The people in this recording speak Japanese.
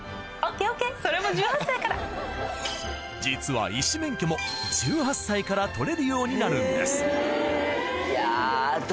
実は医師免許も１８歳から取れるようになるんですやぁ